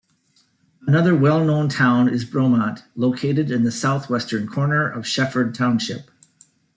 Another well known town is Bromont, located in the southwestern corner of Shefford Township.